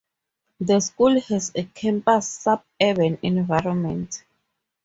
The School has a campus suburban environment.